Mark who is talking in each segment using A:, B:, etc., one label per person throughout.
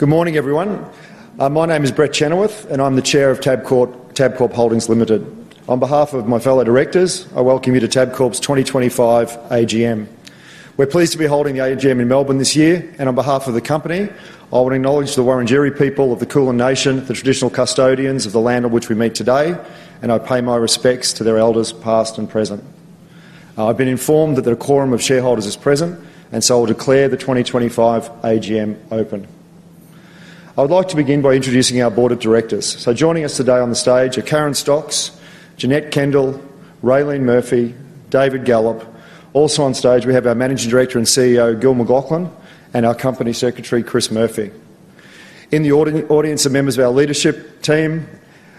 A: Good morning, everyone. My name is Brett Chenoweth and I'm the Chair of Tabcorp Holdings Limited. On behalf of my fellow directors, I welcome you to Tabcorp's 2025 AGM. We're pleased to be holding the AGM in Melbourne this year. On behalf of the company, I want to acknowledge the Wurundjeri people of the Kulin Nation, the traditional custodians of the land on which we meet today. I pay my respects to their elders, past and present. I've been informed that the quorum of shareholders is present, and I declare the 2025 AGM open. I would like to begin by introducing our Board of Directors. Joining us today on the stage are Karen Stocks, Janette Kendall, Raelene Murphy, and David Gallop. Also on stage we have our Managing Director and CEO, Gillon McLachlan, and our Company Secretary, Chris Murphy. In the audience are members of our leadership team and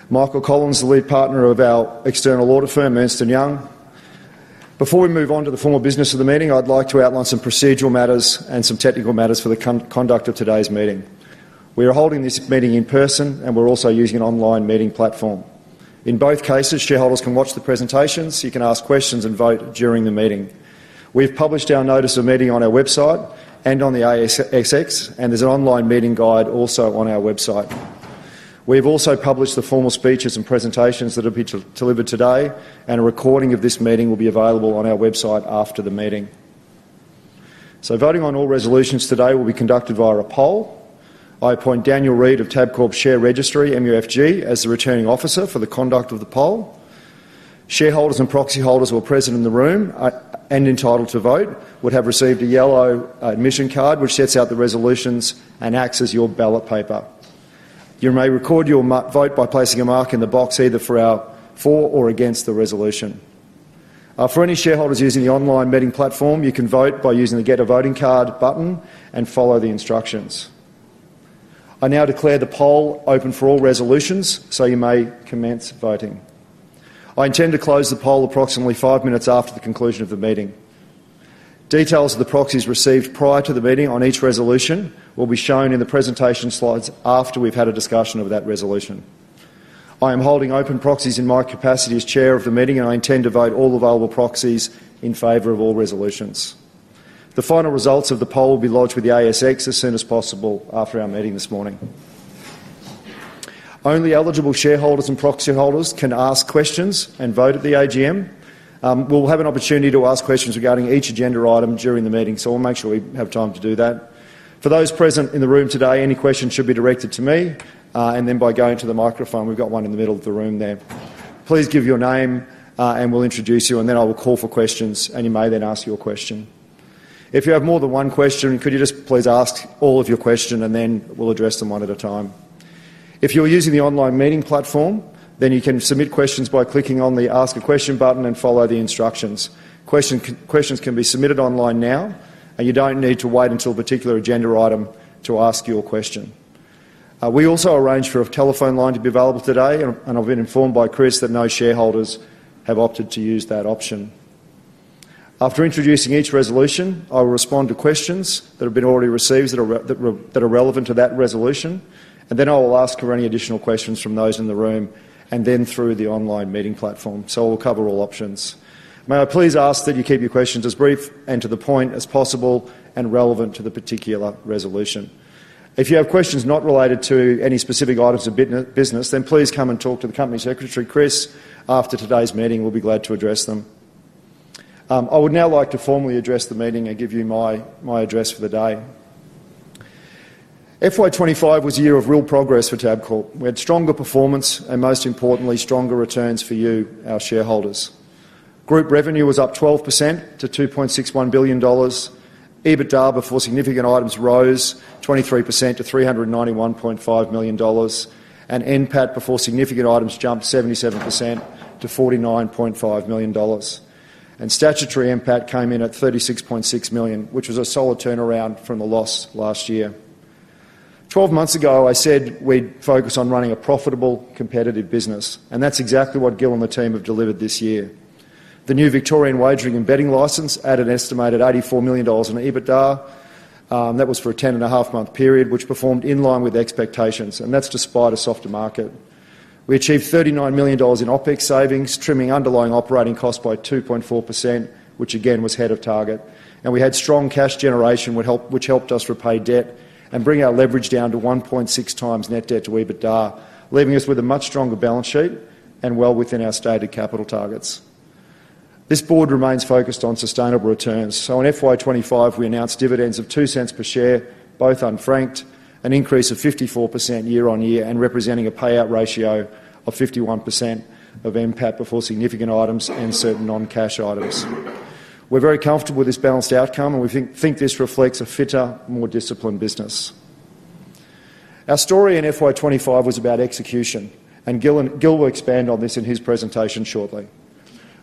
A: Michael Collins, the lead partner of our external audit firm, Ernst & Young. Before we move on to the formal business of the meeting, I'd like to outline some procedural matters and some technical matters for the conduct of today's meeting. We are holding this meeting in person and we're also using an online meeting platform. In both cases, shareholders can watch the presentations, you can ask questions, and vote during the meeting. We've published our notice of meeting on our website and on the ASX, and there's an online meeting guide also on our website. We have also published the formal speeches and presentations that will be delivered today, and a recording of this meeting will be available on our website after the meeting. Voting on all resolutions today will be conducted via a poll. I appoint Daniel Renshaw of Tabcorp Share Registry MUFG as the Returning Officer for the conduct of the poll. Shareholders and proxy holders who are present in the room and entitled to vote would have received a yellow admission card which sets out the resolutions and acts as your ballot paper. You may record your vote by placing a mark in the box either for or against the resolution. For any shareholders using the online meeting platform, you can vote by using the Get a Voting Card button and follow the instructions. I now declare the poll open for all resolutions so you may commence voting. I intend to close the poll approximately five minutes after the conclusion of the meeting. Details of the proxies received prior to the meeting on each resolution will be shown in the presentation slides after we've had a discussion of that resolution. I am holding open proxies in my capacity as Chair of the meeting and I intend to vote all available proxies in favor of all resolutions. The final results of the poll will be lodged with the ASX as soon as possible. After our meeting this morning, only eligible shareholders and proxy holders can ask questions and vote at the AGM. We will have an opportunity to ask questions regarding each agenda item during the meeting, so we will make sure we have time to do that. For those present in the room today, any questions should be directed to me and then by going to the microphone. We've got one in the middle of the room there. Please give your name and we'll introduce you and then I will call for questions and you may then ask your question. If you have more than one question, could you just please ask all of your questions and then we'll address them one at a time. If you're using the online meeting platform, then you can submit questions by clicking on the Ask A Question button and follow the instructions. Questions can be submitted online now and you don't need to wait until a particular agenda item to ask your question. We also arranged for a telephone line to be available today and I've been informed by Chris Murphy that no shareholders have opted to use that option. After introducing each resolution, I will respond to questions that have been already received that are relevant to that resolution and then I will ask for any additional questions from those in the room and then through the online meeting platform. We will cover all options. May I please ask that you keep your questions as brief and to the point as possible and relevant to the particular resolution? If you have questions not related to any specific items of business, then please come and talk to the Company Secretary. Chris, after today's meeting, will be glad to address them. I would now like to formally address the meeting and give you my address for the day. FY 2025 was a year of real progress for Tabcorp. We had stronger performance and most importantly, stronger returns for you. Our shareholders group revenue was up 12% to $2.61 billion. EBITDA before significant items rose 23% to $391.5 million. NPAT before significant items jumped 77% to $49.5 million. Statutory NPAT came in at $36.6 million, which was a solid turnaround from the loss last year. Twelve months ago, I said we'd focus on running a profitable, competitive business, and that's exactly what Gil McLachlan and the team have delivered this year. The new Victorian Wagering and Betting License added an estimated $84 million in EBITDA. That was for a ten and a half month period, which performed in line with expectations. That was despite a softer market. We achieved $39 million in OpEx savings, trimming underlying operating costs by 2.4%, which again was ahead of target. We had strong cash generation, which helped us repay debt and bring our leverage down to 1.6x net debt to EBITDA, leaving us with a much stronger balance sheet and well within our stated capital targets. This Board remains focused on sustainable returns. In FY 2025, we announced dividends of $0.02 per share, both unfranked, an increase of 54% year on year and representing a payout ratio of 51% of NPAT before significant items and certain non-cash items. We're very comfortable with this balanced outcome, and we think this reflects a fitter, more disciplined business. Our story in FY 2025 was about execution, and Gil McLachlan will expand on this in his presentation shortly.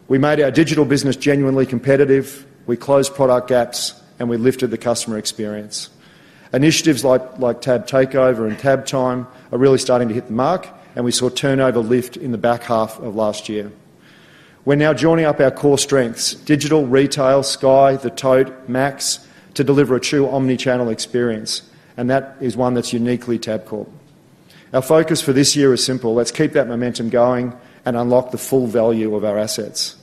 A: We made our digital business genuinely competitive. We closed product gaps, and we lifted the customer experience. Initiatives like Tab Takeover and Tab Time are really starting to hit the mark, and we saw turnover lift in the back half of last year. We're now joining up our core strengths—digital, retail, Sky, the Tote, Max—to deliver a true omnichannel experience. That is one that's uniquely Tabcorp. Our focus for this year is simple. Let's keep that momentum going and unlock the full value of our assets.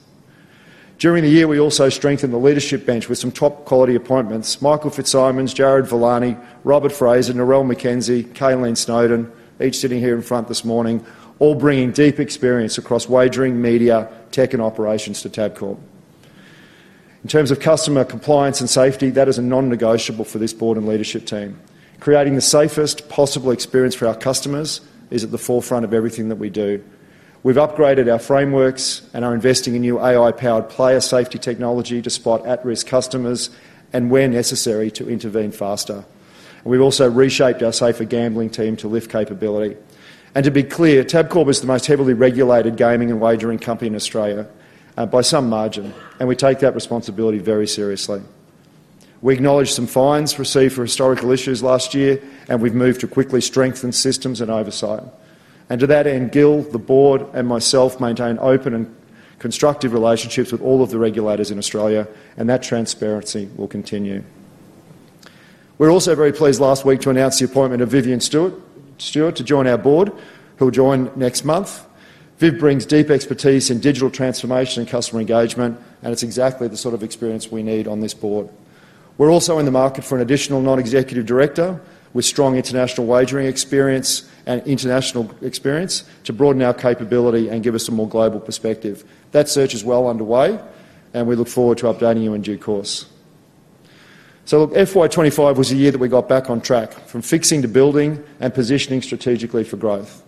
A: During the year, we also strengthened the leadership bench with some top-quality appointments: Michael Fitzsimons, Jared Villani, Robert Fraser, Narelle McKenzie, Kayleen Snowden, each sitting here in front this morning, all bringing deep experience across wagering, media, tech, and operations to Tabcorp. In terms of customer compliance and safety, that is a non-negotiable for this Board and leadership team. Creating the safest possible experience for our customers is at the forefront of everything that we do. We've upgraded our frameworks and are investing in new AI-powered player safety technology to spot at-risk customers and, where necessary, to intervene faster. We've also reshaped our Safer Gambling team to lift capability. To be clear, Tabcorp is the most heavily regulated gaming and wagering company in Australia by some margin, and we take that responsibility very seriously. We acknowledged some fines received for historical issues last year, and we've moved to quickly strengthen systems and oversight. To that end, Gil, the board, and myself maintain open and constructive relationships with all of the regulators in Australia, and that transparency will continue. We were also very pleased last week to announce the appointment of Vivian Stuart to join our board, who will join next month. Viv brings deep expertise in digital transformation and customer engagement, and it's exactly the sort of experience we need on this board. We're also in the market for an additional non-executive director with strong international wagering experience and international experience to broaden our capability and give us a more global perspective. That search is well underway, and we look forward to updating you in due course. FY 2025 was a year that we got back on track from fixing to building and positioning strategically for growth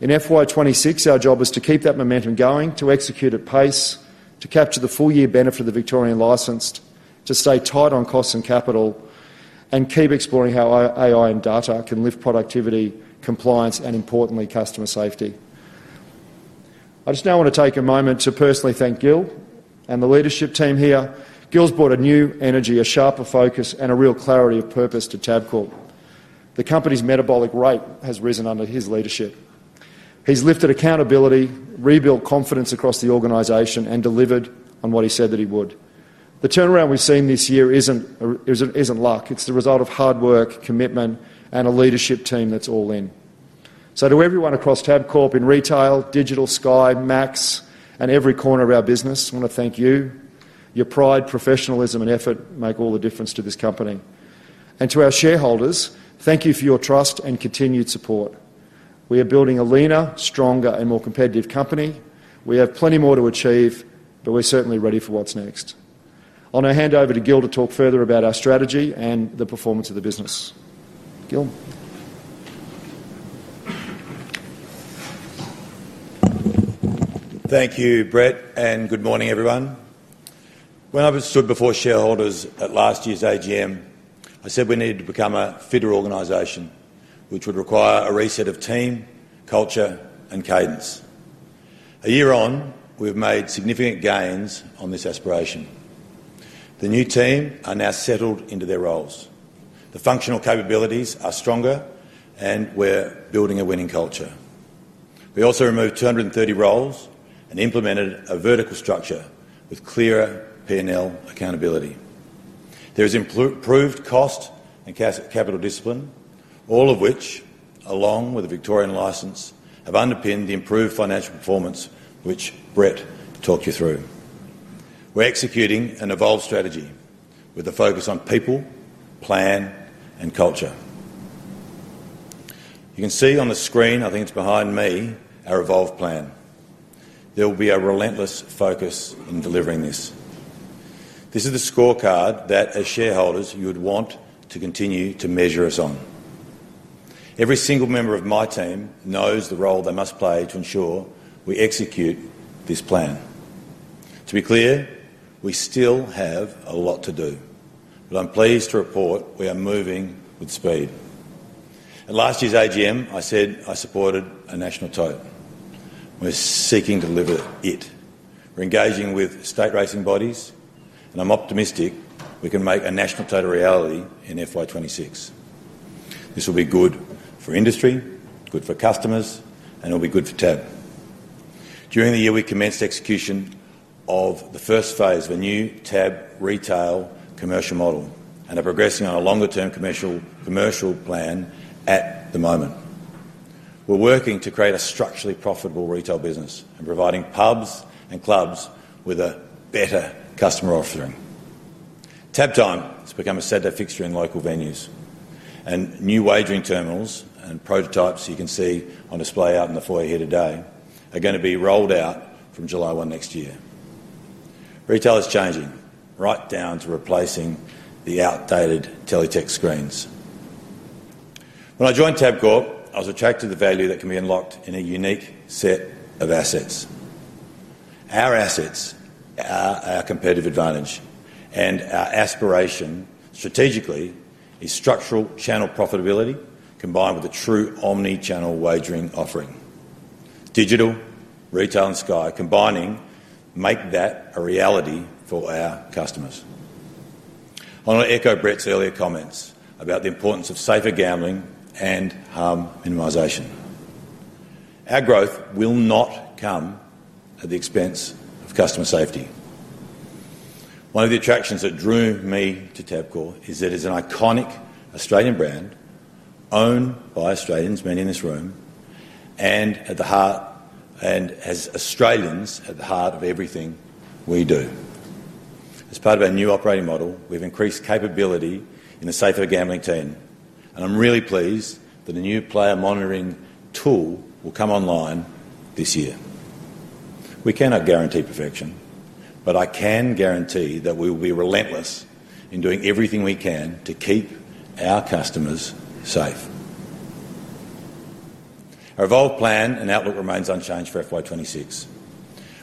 A: in FY 2026. Our job is to keep that momentum going, to execute at pace, to capture the full year benefit of the Victorian Wagering and Betting License, to stay tight on costs and capital, and keep exploring how AI and data can lift productivity, compliance, and importantly, customer safety. I just now want to take a moment to personally thank Gil and the leadership team here. Gil's brought a new energy, a sharper focus, and a real clarity of purpose to Tabcorp. The company's metabolic rate has risen under his leadership. He's lifted accountability, rebuilt confidence across the organization, and delivered on what he said that he would. The turnaround we've seen this year isn't luck. It's the result of hard work, commitment, and a leadership team that's all in. To everyone across Tabcorp, in Retail, Digital, Sky, Max, and every corner of our business, I want to thank you. Your pride, professionalism, and effort make all the difference to this company and to our shareholders. Thank you for your trust and continued support. We are building a leaner, stronger, and more competitive company. We have plenty more to achieve, but we're certainly ready for what's next. I'll now hand over to Gil to talk further about our strategy and the performance of the business. Gil.
B: Thank you, Brett, and good morning everyone. When I stood before shareholders at last year's AGM, I said we needed to become a fitter organization, which would require a reset of team culture and cadence. A year on, we have made significant gains on this aspiration. The new team are now settled into their roles, the functional capabilities are stronger, and we're building a winning culture. We also removed 230 roles and implemented a vertical structure with clearer P&L accountability. There is improved cost and capital discipline, all of which, along with a Victorian license, have underpinned the improved financial performance which Brett talked you through. We're executing an evolved strategy with a focus on people, planning, and culture. You can see on the screen, I think it's behind me, our Evolve plan. There will be a relentless focus in delivering this. This is the scorecard that as shareholders you would want to continue to measure us on. Every single member of my team knows the role they must play to ensure we execute this plan. To be clear, we still have a lot to do, but I'm pleased to report we are moving with speed. At last year's AGM I said I supported a national tote. We're seeking to deliver it, we're engaging with state racing bodies, and I'm optimistic we can make a national tote a reality in FY 2026. This will be good for industry, good for customers, and it'll be good for Tabcorp. During the year we commenced execution of the first phase of a new Tab retail commercial model and are progressing on a longer-term commercial plan. At the moment we're working to create a structurally profitable retail business and providing pubs and clubs with a better customer offering. Tab Time has become a Saturday fixture in local venues, and new wagering terminals and prototypes you can see on display out in the foyer here today are going to be rolled out from July 1 next year. Retail is changing right down to replacing the outdated Teletech screens. When I joined Tabcorp, I was attracted to the value that can be unlocked in a unique set of assets. Our assets are our competitive advantage, and our aspiration strategically is structural channel profitability combined with a true omnichannel wagering offering. Digital, retail, and Sky combining make that a reality for our customers. I want to echo Brett's earlier comments about the importance of safer gambling and harm minimization. Our growth will not come at the expense of customer safety. One of the attractions that drew me to Tabcorp is that it's an iconic Australian brand owned by Australians. Many in this room and at the heart and as Australians, at the heart of everything we do. As part of our new operating model, we've increased capability in a Safer Gambling team. I'm really pleased that a new player monitoring tool will come online this year. We cannot guarantee perfection, but I can guarantee that we will be relentless in doing everything we can to keep our customers safe. Our evolved plan and outlook remains unchanged for FY 2026.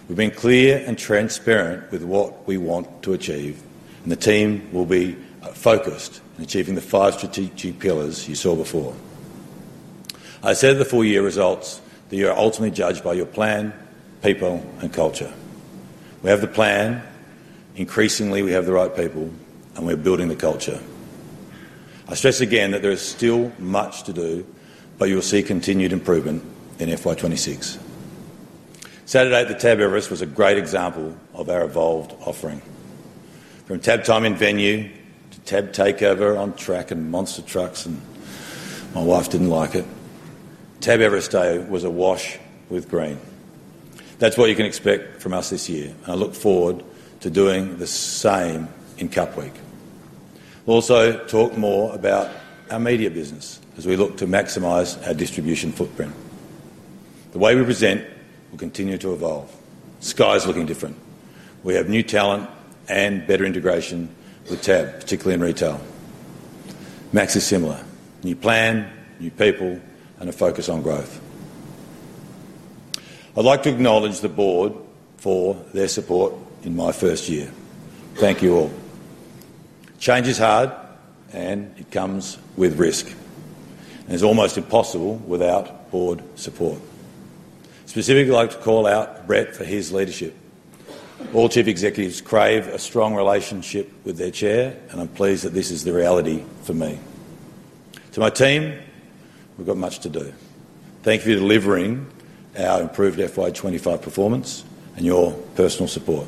B: We've been clear and transparent with what we want to achieve and the team will be focused on achieving the five strategic pillars you saw before. I said the full year results that you are ultimately judged by your plan, people and culture. We have the plan. Increasingly we have the right people and we are building the culture. I stress again that there is still much to do but you will see continued improvement in FY 2026. Saturday at the Tab Everest was a great example of our evolved offering from Tab Time in Venue to Tab Takeover on track and Monster trucks and my wife didn't like it. Tab Everest Day was awash with green. That's what you can expect from us this year and I look forward to doing the same in Cup Week. We'll also talk more about our Media business as we look to maximize our distribution footprint. The way we present will continue to evolve. Sky is looking different. We have new talent and better integration with Tab, particularly in retail. Max is similar. New plan, new people and a focus on growth. I'd like to acknowledge the Board for their support in my first year. Thank you all. Change is hard and it comes with risk. It's almost impossible without Board support. Specifically, I'd like to call out Brett for his leadership. All Chief Executives crave a strong relationship with their Chair and I'm pleased that this is the reality for me. To my team, we've got much to do. Thank you for delivering our improved FY 2025 performance and your personal support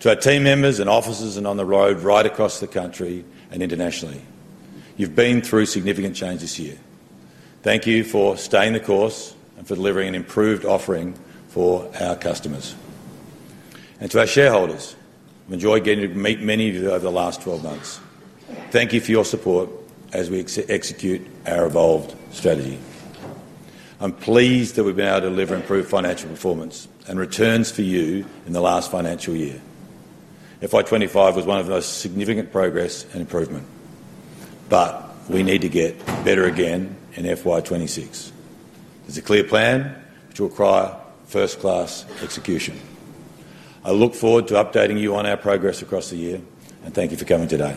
B: to our team members and officers and on the road right across the country and internationally. You've been through significant change this year. Thank you for staying the course and for delivering an improved offering for our customers and to our shareholders. I've enjoyed getting to meet many of you over the last 12 months. Thank you for your support as we execute our evolved strategy. I'm pleased that we've been able to deliver improved financial performance and returns for you in the last financial year. FY 2025 was one of the most significant progress and improvement, but we need to get better again in FY 2026. There's a clear plan, which will require first class execution. I look forward to updating you on our progress across the year, and thank you for coming today.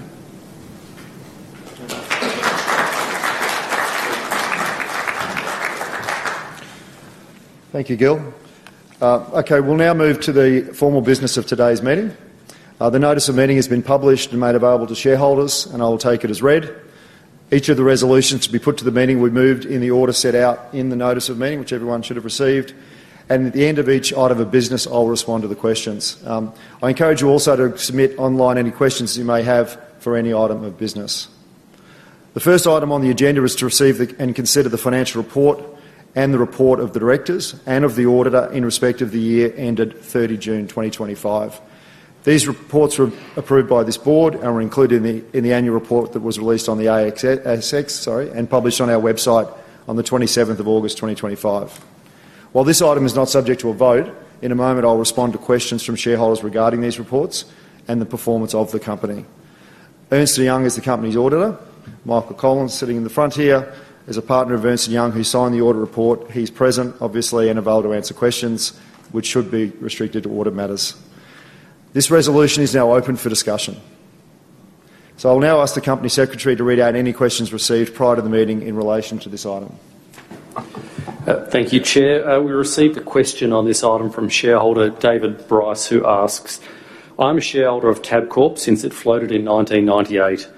A: Thank you, Gil. Okay, we'll now move to the formal business of today's meeting. The notice of meeting has been published and made available to shareholders, and I will take it as read. Each of the resolutions to be put to the meeting will be moved in the order set out in the notice of meeting, which everyone should have received, and at the end of each item of business I'll respond to the questions. I encourage you also to submit online any questions you may have for any item of business. The first item on the agenda is to receive and consider the financial report and the report of the Directors and of the Auditor in respect of the year ended 30 June 2025. These reports were approved by this Board and were included in the annual report that was released on the ASX and published on our website on 27 August 2025. While this item is not subject to a vote, in a moment I'll respond to questions from shareholders regarding these reports and the performance of the company. Ernst & Young is the company's auditor. Michael Collins, sitting in the front here, is a partner of Ernst & Young who signed the audit report. He's present, obviously, and available to answer questions, which should be restricted to audit matters. This resolution is now open for discussion, so I'll now ask the Company Secretary to read out any questions received prior to the meeting in relation to this item.
C: Thank you. Chair, we received a question on this item from shareholder David Bryce, who asks, I am a shareholder of Tabcorp since it floated in 1998.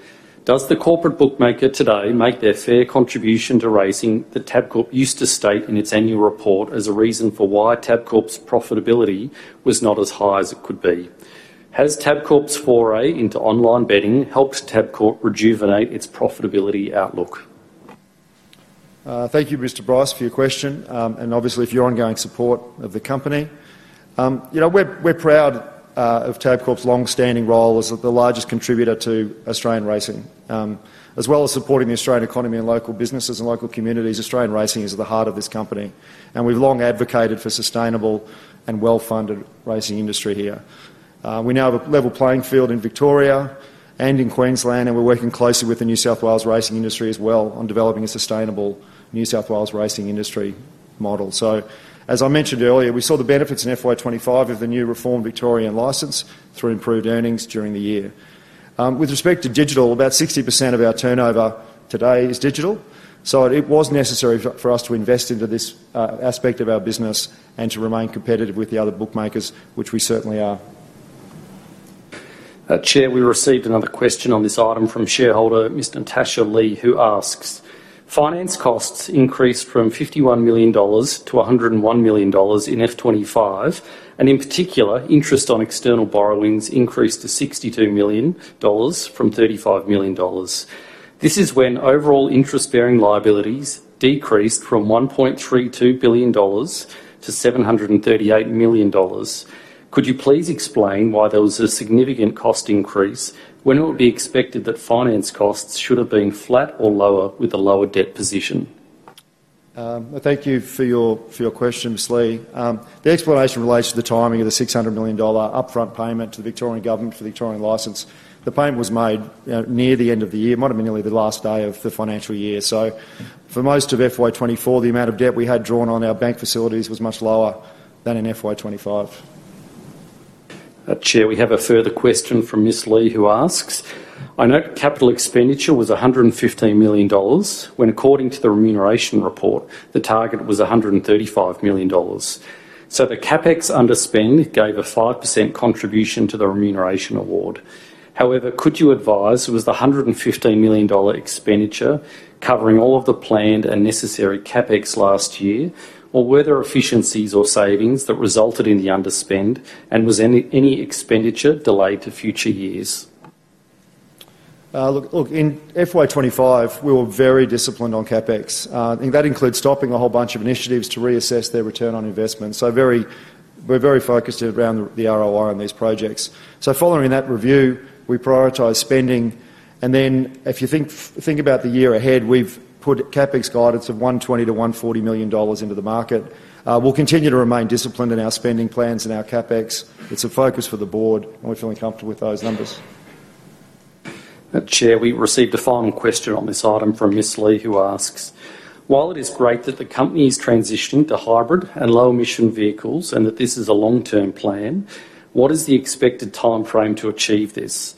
C: Does the corporate bookmaker today make their fair contribution to raising that? Tabcorp used to state in its annual report as a reason for why Tabcorp's profitability was not as high as it could be. Has Tabcorp's foray into online betting helped Tabcorp rejuvenate its profitability outlook?
A: Thank you, Mr. Bryce, for your question and obviously for your ongoing support of the company. We're proud of Tabcorp's long-standing role as the largest contributor to Australian racing, as well as supporting the Australian economy and local businesses and local communities. Australian racing is at the heart of this company and we've long advocated for a sustainable and well-funded racing industry here. We now have a level playing field in Victoria and in Queensland, and we're working closely with the New South Wales racing industry as well on developing a sustainable New South Wales racing industry model. As I mentioned earlier, we saw the benefits in FY 2025 of the new reformed Victorian Wagering and Betting License through improved earnings during the year. With respect to digital, about 60% of our turnover today is digital. It was necessary for us to invest into this aspect of our business and to remain competitive with the other bookmakers, which we certainly are.
C: Chair, we received another question on this item from shareholder Ms. Natasha Lee, who asks, finance costs increased from $51 million-$101 million in 2025, and in particular, interest on external borrowings increased to $62 million from $35 million. This is when overall interest-bearing liabilities decreased from $1.32 billion-$738 million. Could you please explain why there was a significant cost increase when it would be expected that finance costs should have been flat or lower with a lower debt position?
A: Thank you for your question, Ms. Leigh. The explanation relates to the timing of the $600 million upfront payment to the Victorian Government for the Victorian Wagering and Betting License. The payment was made near the end of the year, might have been nearly the last day of the financial year. For most of FY 2024, the amount of debt we had drawn on our bank facilities was much lower than in FY 2025.
C: Chair, we have a further question from Ms. Lee who asks, I note capital expenditure was $115 million when according to the remuneration report, the target was $135 million. The CapEx underspend gave a 5% contribution to the remuneration award. However, could you advise, was the $115 million expenditure covering all of the planned and necessary CapEx last year, or were there efficiencies or savings that resulted in the underspend? Was any expenditure delayed to future years?
A: Look, in FY 2025 we were very disciplined on CapEx. That includes stopping a whole bunch of initiatives to reassess their return on investment. We're very focused around the ROI on these projects. Following that review, we prioritize spending, and if you think about the year ahead, we've put CapEx guidance of $120 million-$140 million into the market. We'll continue to remain disciplined in our spending plans and our CapEx. It's a focus for the Board and we're feeling comfortable with those numbers.
C: Chair, we received a final question on this item from Ms. Lee who asks, while it is great that the company is transitioning to hybrid and low emission vehicles and that this is a long term plan, what is the expected time frame to achieve this?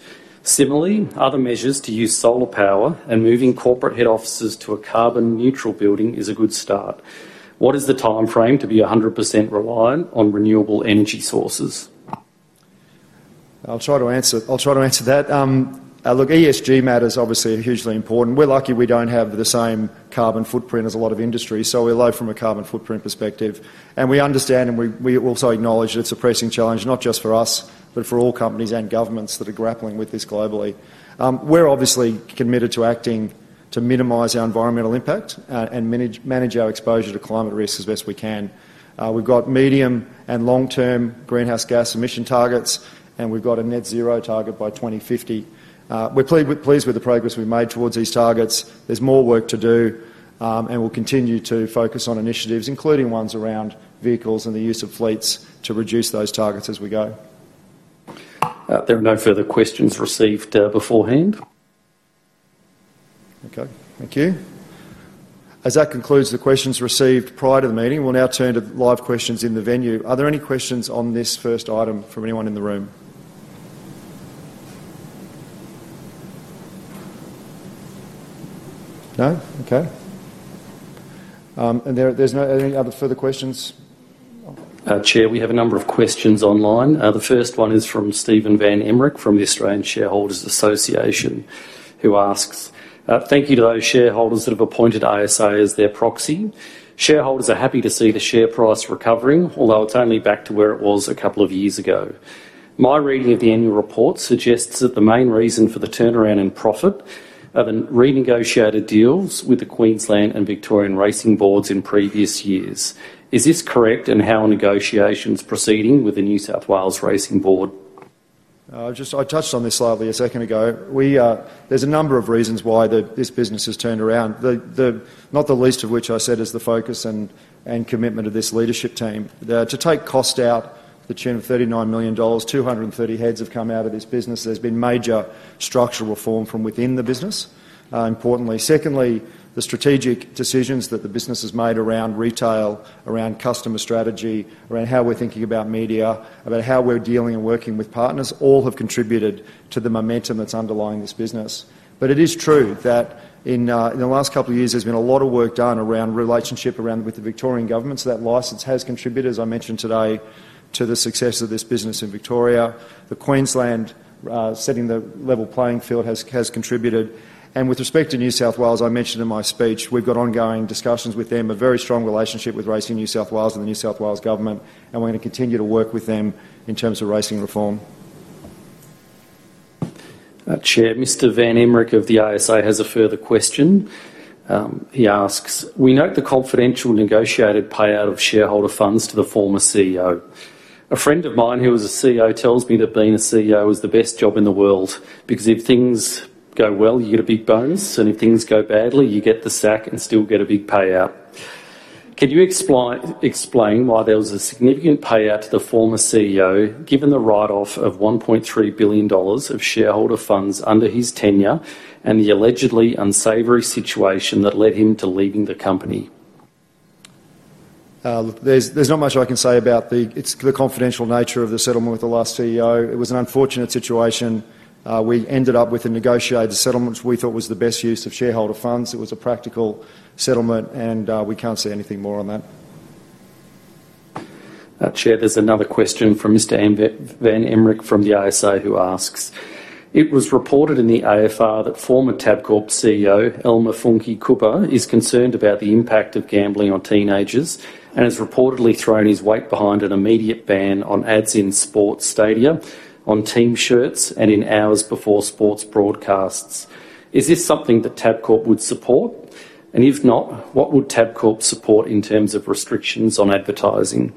C: Similarly, other measures to use solar power and moving corporate head offices to a carbon neutral building is a good start. What is the time frame to be 100% reliant on renewable energy sources?
A: I'll try to answer that. Look, ESG matters obviously are hugely important. We're lucky we don't have the same carbon footprint as a lot of industries. We're low from a carbon footprint perspective and we understand and we also acknowledge that it's a pressing challenge not just for us, but for all companies and governments that are grappling with this globally. We're obviously committed to acting to minimize our environmental impact and manage our exposure to climate risks as best we can. We've got medium and long-term greenhouse gas emission targets and we've got a net zero target by 2050. We're pleased with the progress we've made towards these targets. There's more work to do and we'll continue to focus on initiatives, including ones around vehicles and the use of fleets to reduce those targets as we go.
C: There are no further questions received beforehand.
A: Okay, thank you. As that concludes the questions received prior to the meeting, we'll now turn to live questions in the venue. Are there any questions on this first item from anyone in the room? No. Okay. Are there any other further questions?
C: Chair, we have a number of questions online. The first one is from Stephen Van Emmerich from the Australian Shareholders Association, who asks, thank you to those shareholders that have appointed ISA as their proxy share. Shareholders are happy to see the share price recovering, although it's only back to where it was a couple of years ago. My reading of the annual report suggests that the main reason for the turnaround in profit are the renegotiated deals with the Queensland and Victorian racing boards in previous years. Is this correct? How are negotiations proceeding with the Racing New South Wales Board?
A: I touched on this slightly a second ago. There's a number of reasons why this business has turned around, not the least of which, as I said, is the focus and commitment of this leadership team to take cost out to the tune of $39 million. 230 heads have come out of this business. There's been major structural reform from within the business. Importantly, secondly, the strategic decisions that the business has made around retail, around customer strategy, around how we're thinking about media, about how we're dealing and working with partners, all have contributed to the momentum that's underlying this business. It is true that in the last couple of years there has been a lot of work done around the relationship with the Victorian government. That license has contributed, as I mentioned today, to the success of this business in Victoria. The Queensland setting the level playing field has contributed. With respect to New South Wales, I mentioned in my speech, we've got ongoing discussions with them, a very strong relationship with Racing New South Wales and the New South Wales government, and we're going to continue to work with them in terms of racing reform.
C: Chair Mr. Van Emmerich of the ASA has a further question. He asks, we note the confidential negotiated payout of shareholder funds to the former CEO. A friend of mine who is a CEO tells me that being a CEO is the best job in the world because if things go well, you get a big bonus and if things go badly, you get the sack and still get a big payout. Can you explain why there was a significant payout to the former CEO given the write off of $1.3 billion of shareholder funds under his tenure and the allegedly unsavoury situation that led him to leaving the company.
A: There's not much I can say about the confidential nature of the settlement with the last CEO. It was an unfortunate situation. We ended up with a negotiated settlement, which we thought was the best use of shareholder funds. It was a practical settlement, and we can't say anything more on that.
C: Chair. There's another question from Mr. Van Emmerich from the ASA who asks, it was reported in the AFR that former Tabcorp CEO Elmer Funke Kupper is concerned about the impact of gambling on teenagers and has reportedly thrown his weight behind an immediate ban on ads in sports stadia, on team shirts, and in hours before sports broadcasts. Is this something that Tabcorp would support? If not, what would Tabcorp support in terms of restrictions on advertising?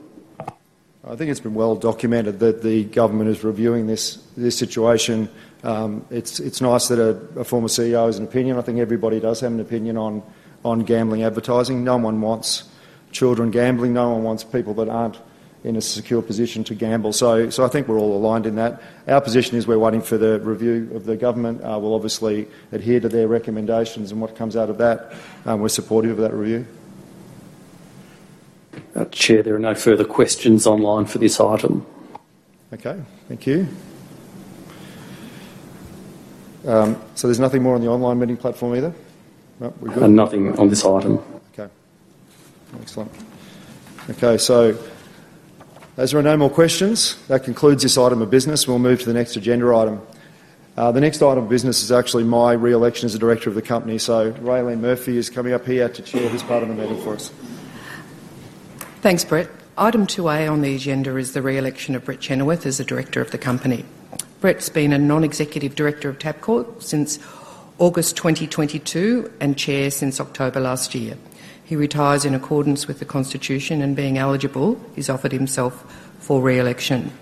A: I think it's been well documented that the government is reviewing this situation. It's nice that a former CEO has an opinion. I think everybody does have an opinion on gambling advertising. No one wants children gambling. No one wants people that aren't in a secure position to gamble. I think we're all aligned in that. Our position is we're waiting for the review. The government will obviously adhere to their recommendations and what comes out of that. We're supportive of that review.
C: Chair. There are no further questions online for this item.
A: Thank you. There's nothing more on the online meeting platform either? No, we're good.
C: Nothing on this item.
A: Okay, excellent. As there are no more questions, that concludes this item of business. We'll move to the next agenda. The next item of business is actually my re-election as a Director of the company. So Raelene Murphy is coming up here to chair this part of the meeting for us.
D: Thanks, Brett. Item 2A on the agenda is the re-election of Brett Chenoweth as the director of the company. Brett's been a Non-Executive Director of Tabcorp since August 2022 and Chair since October last year. He retires in accordance with the constitution and, being eligible, he's offered himself for re-election.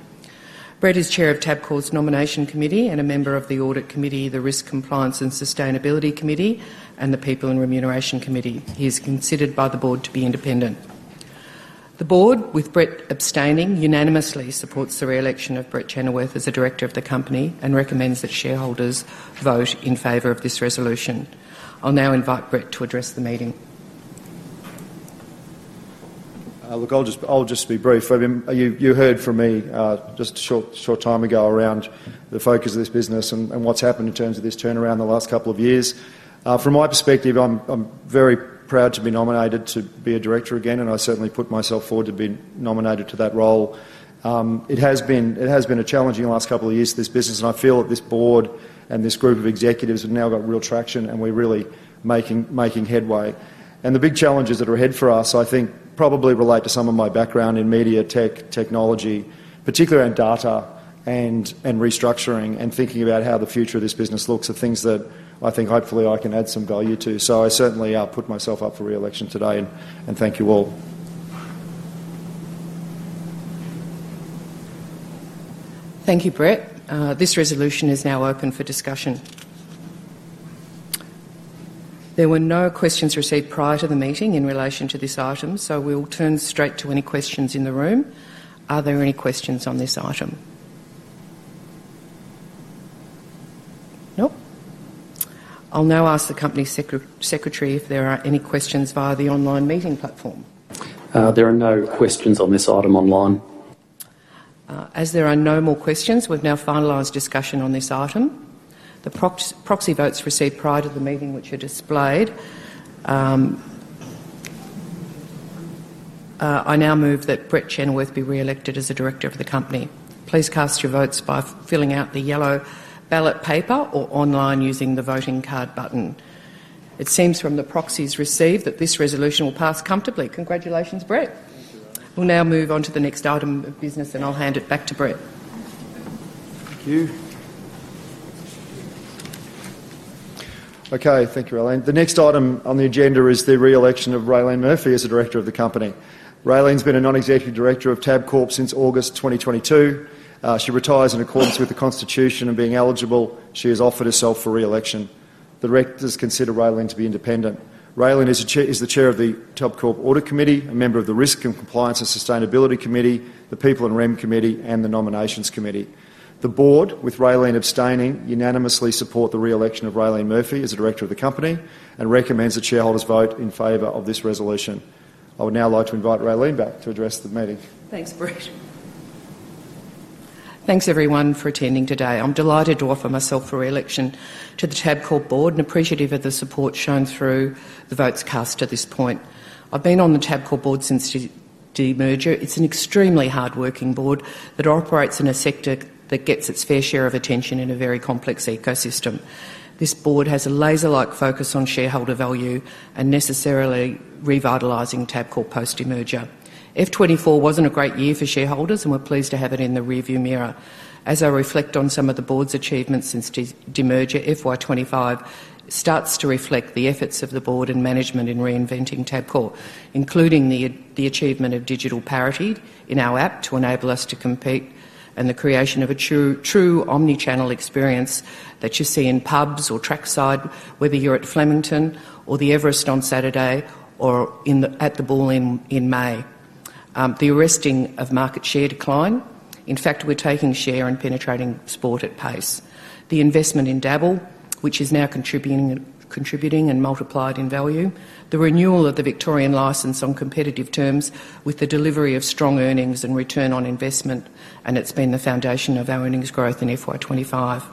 D: Brett is Chair of Tabcorp's Nomination Committee and a member of the Audit Committee, the Risk Compliance and Sustainability Committee, and the People and Remuneration Committee. He is considered by the Board to be independent. The Board, with Brett abstaining, unanimously supports the re-election of Brett Chenoweth as a director of the company and recommends that shareholders vote in favor of this resolution. I'll now invite Brett to address the meeting.
A: Look, I'll just be brief. You heard from me just a short time ago around the focus of this business and what's happened in terms of this turnaround the last couple of years. From my perspective, I'm very proud to be nominated to be a Director again and I certainly put myself forward to be nominated to that role. It has been a challenging last couple of years for this business and I feel that this Board and this group of executives have now got real traction and we're really making headway and the big challenges that are ahead for us I think probably relate to some of my background in media tech technology, particularly in data and restructuring and thinking about how the future of this business looks are things that I think hopefully I can add some value to. I certainly put myself up for re-election today and thank you all.
D: Thank you, Brett. This resolution is now open for discussion. There were no questions received prior to the meeting in relation to this item, so we will turn straight to any questions in the room. Are there any questions on this item? No. I'll now ask the Company Secretary if there are any questions via the online meeting platform.
C: There are no questions on this item online.
D: As there are no more questions, we have now finalized discussion on this item. The proxy votes received prior to the meeting are displayed. I now move that Brett Chenoweth be re-elected as a Director of the company. Please cast your votes by filling out the yellow ballot paper or online using the voting card button. It seems from the proxies received that this resolution will pass comfortably. Congratulations, Brett. We'll now move on to the next item of business, and I'll hand it back to Brett.
B: Thank you.
A: Okay, thank you Raelene. The next item on the agenda is the re-election of Raelene Murphy as the Director of the company. Raelene's been a Non-Executive Director of Tabcorp since August 2022. She retires in accordance with the constitution and, being eligible, she has offered herself for re-election. The directors consider Raelene to be independent. Raelene is the Chair of the Tabcorp Audit Committee, a member of the Risk and Compliance and Sustainability Committee, the People and Rem Committee, and the Nominations Committee. The Board, with Raelene abstaining, unanimously support the re-election of Raelene Murphy as the Director of the company and recommends that shareholders vote in favor of this resolution. I would now like to invite Raelene back to address the meeting.
D: Thanks Brett. Thanks everyone for attending today. I'm delighted to offer myself a re-election to the Tabcorp Board and appreciative of the support shown through the votes cast. At this point I've been on the Tabcorp Board since demerger. It's an extremely hard-working board that operates in a sector that gets its fair share of attention in a very complex ecosystem. This board has a laser-like focus on shareholder value and necessarily revitalizing Tabcorp. Post demerger, FY 2024 wasn't a great year for shareholders and we're pleased to have it in the rearview mirror. As I reflect on some of the board's achievements since demerger, FY 2025 starts to reflect the efforts of the board and management in reinventing Tabcorp, including the achievement of digital parity in our app to enable us to compete and the creation of a true omnichannel experience that you see in pubs or trackside whether you're at Flemington or the Everest on Saturday or at the Ball in May. The arresting of market share decline. In fact, we're taking share and penetrating sport at pace. The investment in Dabble, which is now contributing and multiplied in value, the renewal of the Victorian Wagering and Betting License on competitive terms with the delivery of strong earnings and return on investment, and it's been the foundation of our earnings growth in FY 2025.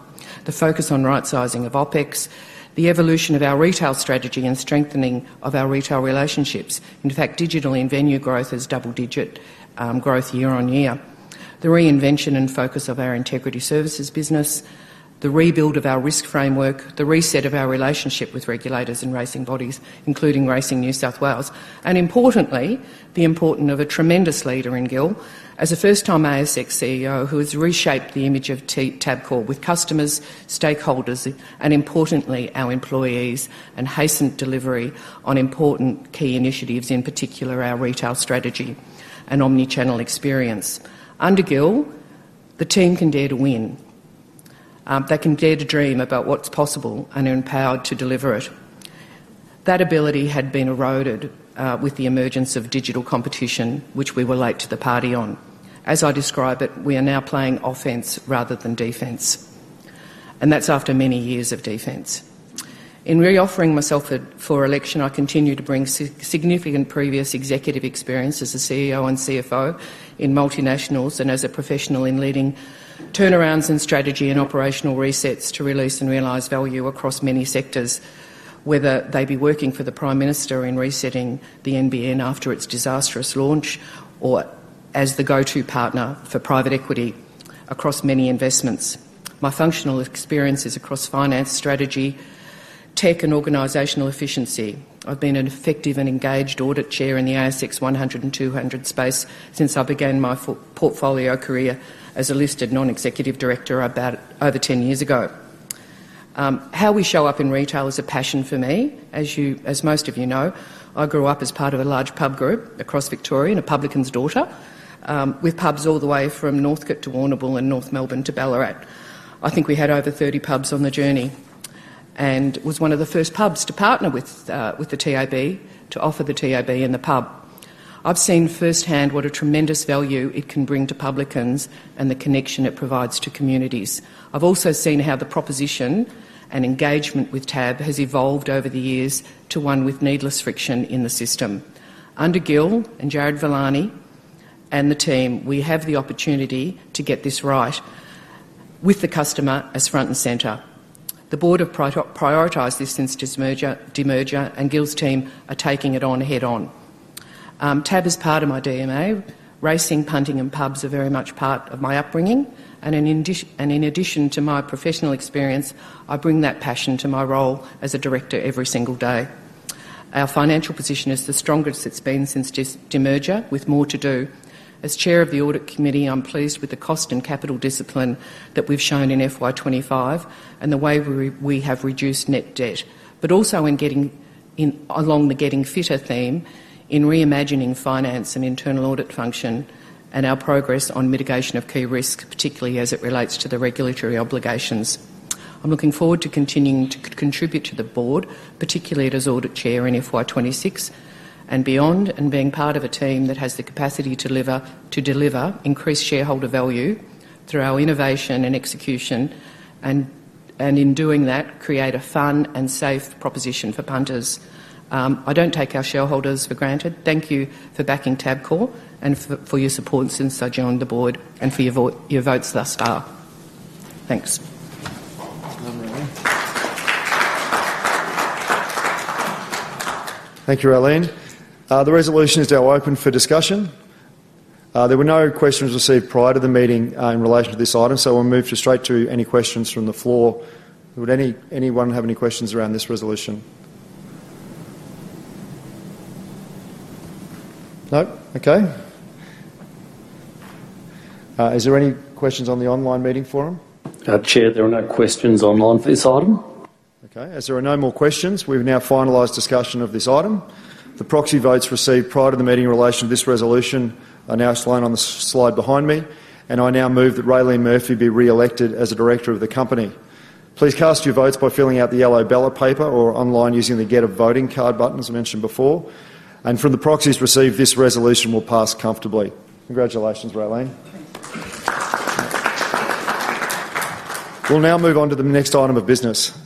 D: The focus on rightsizing of OpEx, the evolution of our retail strategy, and strengthening of our retail relationships. In fact, digital in-venue growth is double-digit growth year on year. The reinvention and focus of our integrity services business, the rebuild of our risk framework, the reset of our relationship with regulators and racing bodies including Racing New South Wales, and importantly the importance of a tremendous leader in Gill as a first-time ASX CEO who has reshaped the image of Tabcorp with customers, stakeholders, and importantly our employees and hastened delivery on important key initiatives, in particular our retail strategy and omnichannel experience. Under Gill the team can dare to win. They can dare to dream about what's possible and are empowered to deliver it. That ability had been eroded with the emergence of digital competition which we were late to the party on. As I describe it, we are now playing offense rather than defense and that's after many years of defense. In re offering myself for election, I continue to bring significant previous executive experience as a CEO and CFO in multinationals and as a professional in leading turnarounds and strategy and operational resets to release and realize value across many sectors, whether they be working for the Prime Minister in resetting the NBN after its disastrous launch or as the go-to partner for private equity across many investments. My functional experience is across finance, strategy, tech, and organizational efficiency. I've been an effective and engaged Audit Chair in the ASX 100 and 200 space since I began my portfolio career as a listed Non-Executive Director about over 10 years ago. How we show up in retail is a passion for me. As most of you know, I grew up as part of a large pub group across Victoria and a publican's daughter with pubs all the way from Northcote to Warrnambool and North Melbourne to Ballarat. I think we had over 30 pubs on the journey and was one of the first pubs to partner with the Tab. To offer the Tab in the pub, I've seen firsthand what a tremendous value it can bring to publicans and the connection it provides to communities. I've also seen how the proposition engagement with Tab has evolved over the years to one with needless friction in the system. Under Gil McLachlan and Jared Vellani and the team, we have the opportunity to get this right with the customer as front and center. The Board have prioritized this since Demerger and Gil's team are taking it on. Head On Tab is part of my DNA. Racing, punting, and pubs are very much part of my upbringing and in addition to my professional experience, I bring that passion to my role as a Director every single day. Our financial position is the strongest it's been since Demerger, with more to do. As Chair of the Audit Committee, I'm pleased with the cost and capital discipline that we've shown in FY 2025 and the way we have reduced net debt, but also in getting along the getting fitter theme in reimagining finance and internal audit function and our progress on mitigation of key risk, particularly as it relates to the regulatory obligations. I'm looking forward to continuing to contribute to the Board, particularly as Audit Chair in FY 2026 and beyond, and being part of a team that has the capacity to deliver increased shareholder value through our innovation and execution and in doing that, create a fun and safe proposition for punters. I don't take our shareholders for granted. Thank you for backing Tabcorp and for your support since I joined the board and for your votes thus far. Thanks.
A: Thank you, Raelene. The resolution is now open for discussion. There were no questions received prior to the meeting in relation to this item, so we'll move straight to any questions from the floor. Would anyone have any questions around this resolution? No. Okay. Is there any questions on the online meeting forum? Chair?
C: There are no questions online for this item.
A: Okay. As there are no more questions, we've now finalized discussion of this item. The proxy votes received prior to the meeting in relation to this resolution are now shown on the slide behind me and I now move that Raelene Murphy be re-elected as a Director of the company. Please cast your votes by filling out the yellow ballot paper or online using the get a voting card button. As mentioned before and from the proxies received, this resolution will pass comfortably. Congratulations Raelene. We'll now move on to the next item of business.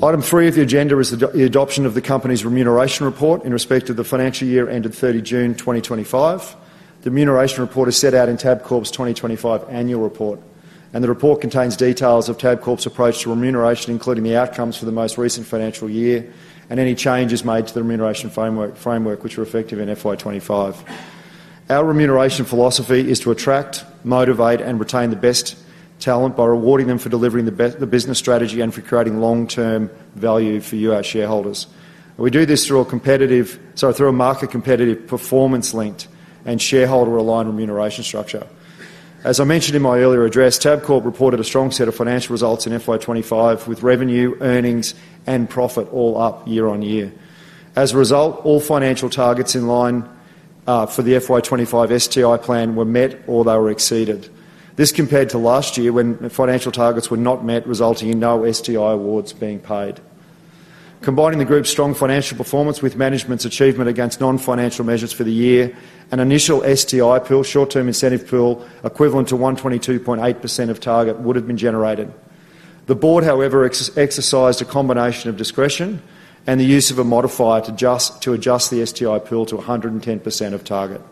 A: Item three of the agenda is the adoption of the Company's remuneration report in respect to the financial year ended 30 June 2025. The remuneration report is set out in Tabcorp's 2025 annual report and the report contains details of Tabcorp's approach to remuneration including the outcomes for the most recent financial year and any changes made to the remuneration framework which are effective in FY 2025. Our remuneration philosophy is to attract, motivate and retain the best talent by rewarding them for delivering the business strategy and for creating long-term value for you, our shareholders. We do this through a market competitive, performance-linked and shareholder-aligned remuneration structure. As I mentioned in my earlier address, Tabcorp reported a strong set of financial results in FY 2025 with revenue, earnings and profit all up year on year. As a result, all financial targets in line for the FY 2025 STI plan were met or they were exceeded. This compared to last year when financial targets were not met resulting in no STI awards being paid. Combining the group's strong financial performance with management's achievement against non-financial measures for the year, an initial STI pool, short-term incentive pool, equivalent to 122.8% of target would have been generated. The Board, however, exercised a combination of discretion and the use of a modifier to adjust the STI pool to 110% of target.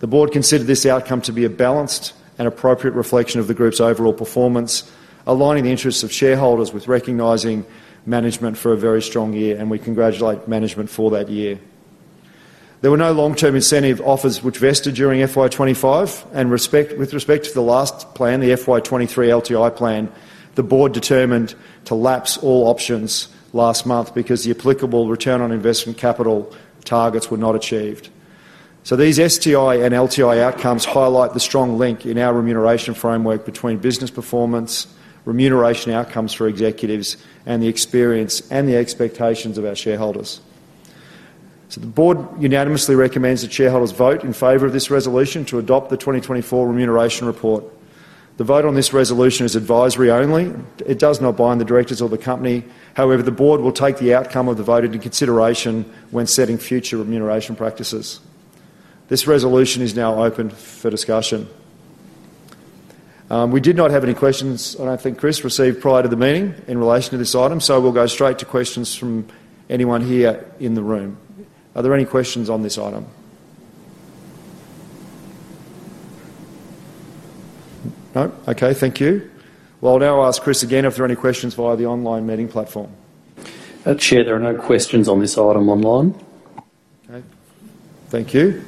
A: The Board considered this outcome to be a balanced and appropriate reflection of the group's overall performance, aligning the interests of shareholders with recognizing management for a very strong year and we congratulate management for that year. There were no long-term incentive offers which vested during FY 2025. With respect to the last plan, the FY 2023 LTI plan, the Board determined to lapse all options last month because the applicable return on investment capital targets were not achieved. These STI and LTI outcomes highlight the strong link in our remuneration framework between business performance, remuneration outcomes for executives, and the experience and expectations of our shareholders. The Board unanimously recommends that shareholders vote in favor of this resolution to adopt the 2024 remuneration report. The vote on this resolution is advisory only. It does not bind the directors or the company. However, the Board will take the outcome of the vote into consideration when setting future remuneration practices. This resolution is now open for discussion. We did not have any questions, I don't think Chris received prior to the meeting in relation to this item. We'll go straight to questions from anyone here in the room. Are there any questions on this item? No. Thank you. I'll now ask Chris again if there are any questions via the online meeting platform, Chair.
C: There are no questions on this item online.
A: Thank you.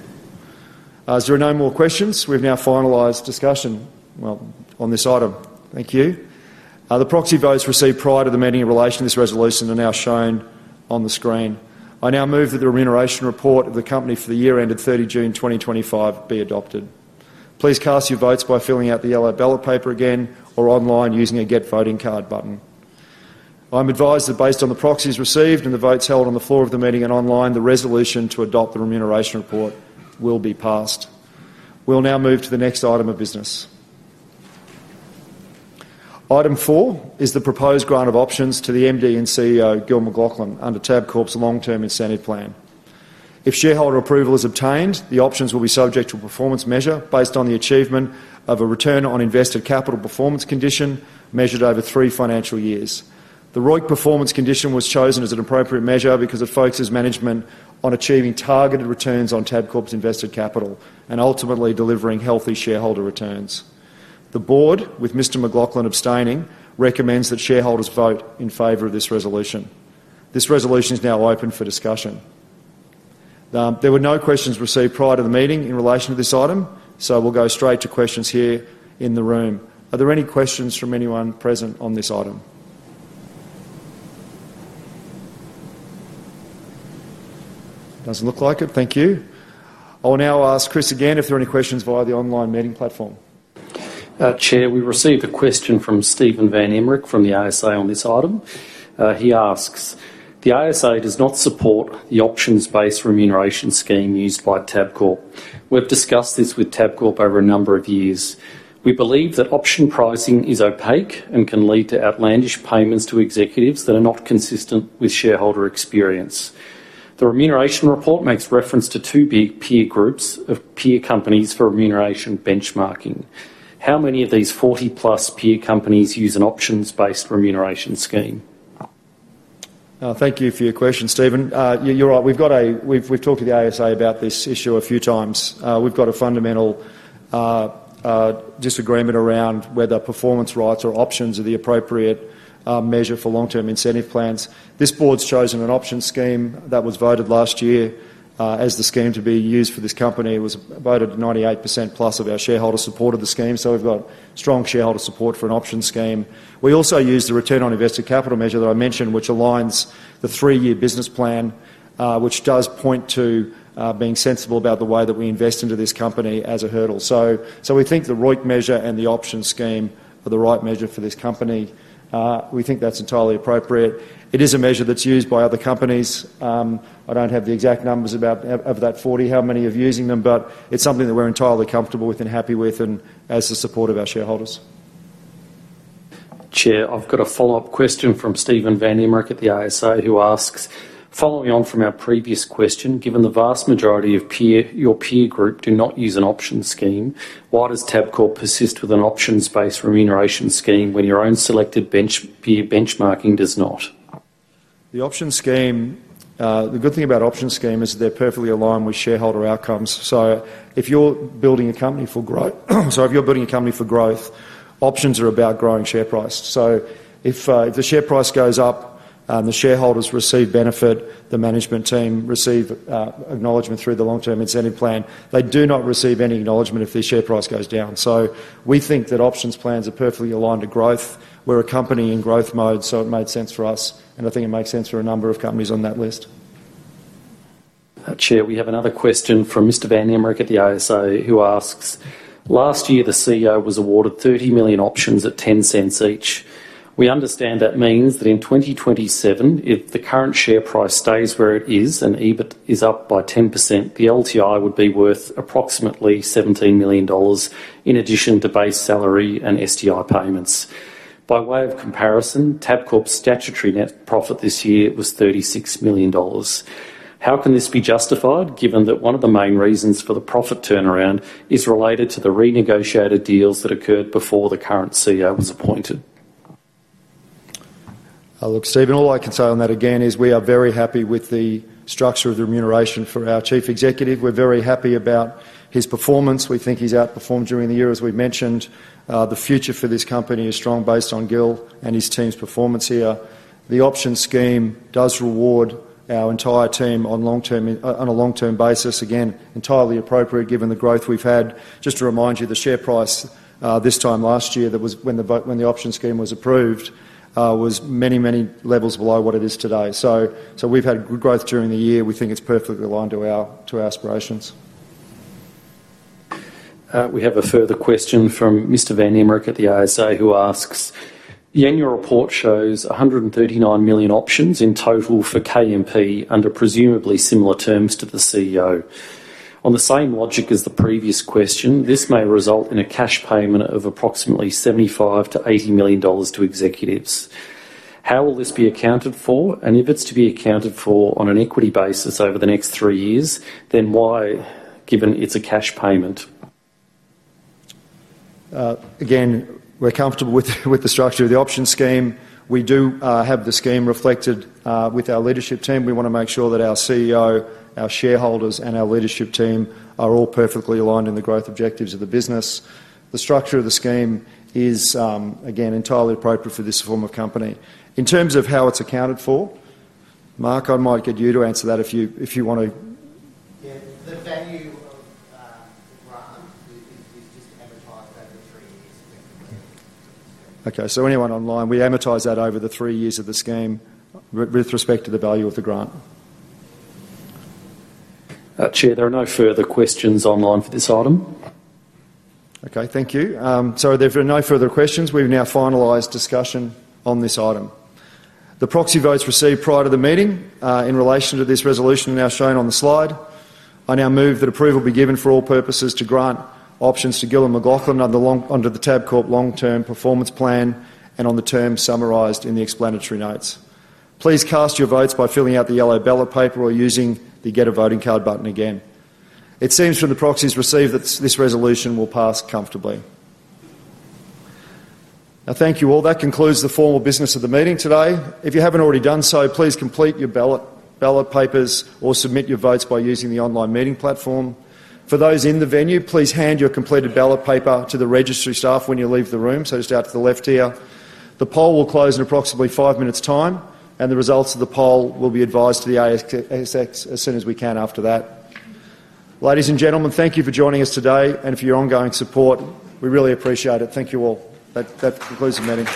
A: As there are no more questions, we have now finalized discussion on this item. Thank you. The proxy votes received prior to the meeting in relation to this resolution are now shown on the screen. I now move that the remuneration report of the company for the year ended 30 June 2025 be adopted. Please cast your votes by filling out the yellow ballot paper again or online using a Get voting card button. I am advised that based on the proxies received and the votes held on the floor of the meeting and online, the resolution to adopt the remuneration report will be passed. We will now move to the next item of business. Item four is the proposed grant of options to the MD and CEO Gil McLachlan under Tabcorp's long-term incentive plan. If shareholder approval is obtained, the options will be subject to a performance measure based on the achievement of a return on invested capital before performance condition measured over three financial years. The ROIC performance condition was chosen as an appropriate measure because it focuses management on achieving targeted returns on Tabcorp's invested capital and ultimately delivering healthy shareholder returns. The Board, with Mr. McLachlan abstaining, recommends that shareholders vote in favor of this resolution. This resolution is now open for discussion. There were no questions received prior to the meeting in relation to this item, so we'll go straight to questions here in the room. Are there any questions from anyone present on this item? Doesn't look like it. Thank you. I will now ask Chris again if there are any questions via the online meeting platform, Chair.
C: We received a question from Stephen Van Emmerich from the ASA on this item. He asks, the ASA does not support the options-based remuneration scheme being used by Tabcorp. We've discussed this with Tabcorp over a number of years. We believe that option pricing is opaque and can lead to outlandish payments to executives that are not consistent with shareholder experience. The remuneration report makes reference to two big peer groups of peer companies for remuneration benchmarking. How many of these 40+ peer companies use an options-based remuneration scheme?
A: Thank you for your question, Stephen. You're right. We've talked to the ASA about this issue a few times. We've got a fundamental disagreement around whether performance rights or options are the appropriate measure for long-term incentive plans. This Board's chosen an option scheme that was voted last year as the scheme to be used for this company, was voted 98%+ of our shareholder support of the scheme. We've got strong shareholder support for an option scheme. We also use the return on invested capital measure that I mentioned, which aligns the three-year business plan, which does point to being sensible about the way that we invest into this company as a hurdle. We think the ROIC measure and the option scheme are the right measure for this company. We think that's entirely appropriate. It is a measure that's used by other companies. I don't have the exact numbers of that 40, how many are using them, but it's something that we're entirely comfortable with and happy with and has the support of our shareholders.
C: Chair, I've got a follow-up question from Stephen Van Emmerich at the ASA who asks, following on from our previous question, given the vast majority of your peer group do not use an option scheme, why does Tabcorp persist with an options-based remuneration scheme when your own selected peer benchmarking does not use the option scheme?
A: The good thing about options scheme is they're perfectly aligned with shareholder outcomes. If you're building a company for growth, options are about growing share price. If the share price goes up, the shareholders receive benefit, the management team receive acknowledgement through the long-term incentive plan. They do not receive any acknowledgement if their share price goes down. We think that options plans are perfectly aligned to growth. We're a company in growth mode, it made sense for us and I think it makes sense for a number of companies on that list.
C: Chair, we have another question from Mr. Van Emmerich at the ASA who asks, last year the CEO was awarded 30 million options at $0.10 each. We understand that means that in 2027, if the current share price stays where it is and EBIT is up by 10%, the LTI would be worth approximately $17 million. In addition to base salary and STI payments, by way of comparison, Tabcorp's statutory NPAT this year was $36 million. How can this be justified given that one of the main reasons for the profit turnaround is related to the renegotiated deals that occurred before the current CEO was appointed?
A: Look, Stephen, all I can say on that again is we are very happy with the structure of the remuneration for our Chief Executive. We're very happy about his performance. We think he's outperformed during the year. As we mentioned, the future for this company is strong based on Gil McLachlan and his team's performance here. The option scheme does reward our entire team on a long-term basis. Again, entirely appropriate given the growth we've had. Just to remind you, the share price this time last year when the option scheme was approved was many, many levels below what it is today. We've had good growth during the year. We think it's perfectly aligned to our aspirations.
C: We have a further question from Mr. Van Emmerich at the ASA, who asks, the annual report shows 139 million options in total for KMP under presumably similar terms to the CEO. On the same logic as the previous question, this may result in a cash payment of approximately $75 million-$80 million to executives. How will this be accounted for? If it's to be accounted for on an equity basis over the next three years, then why, given it's a cash payment?
A: Again, we're comfortable with the structure of the option scheme. We do have the scheme reflected with our leadership team. We want to make sure that our CEO, our shareholders, and our leadership team are all perfectly aligned in the growth objectives of the business. The structure of the scheme is again entirely appropriate for this form of company in terms of how it's accounted for. Mark, I might get you to answer that if you want to.
D: The value of the grant is just. Advertised over three years.
A: Okay, so anyone online? We amortize that over the three years of the scheme with respect to the value of the grant.
C: Chair, there are no further questions online for this item.
A: Okay, thank you. Sorry. There are no further questions. We've now finalized discussion on this item. The proxy votes received prior to the meeting in relation to this resolution are now shown on the slide. I now move that approval be given for all purposes to grant options to Gillon McLachlan under the Tabcorp long-term performance plan and on the terms summarized in the explanatory notes. Please cast your votes by filling out the yellow ballot paper or using the get a voting card button. Again, it seems from the proxies received that this resolution will pass comfortably. Thank you all. That concludes the formal business of the meeting today. If you haven't already done so, please complete your ballot papers or submit your votes by using the online meeting platform. For those in the venue, please hand your completed ballot paper to the registry staff when you leave the room, just out to the left here. The poll will close in approximately five minutes' time and the results of the poll will be advised to the ASX as soon as we can after that. Ladies and gentlemen, thank you for joining us today and for your ongoing support. We really appreciate it. Thank you all. That concludes the meeting.